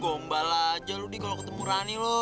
gomba lah aja ludi kalau ketemu rani loh